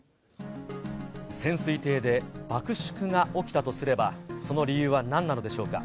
潜水艇で爆縮が起きたとすれば、その理由はなんなのでしょうか。